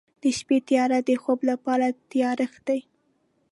د شپې تیاره د خوب لپاره تیارښت دی.